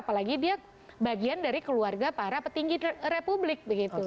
apalagi dia bagian dari keluarga para petinggi republik begitu